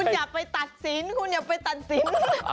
ใช่มั้ยคุณอย่าไปตัดซิ้น